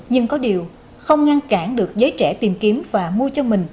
nhưng có điều không ngăn cản được giới trẻ tìm kiếm và mua cho mình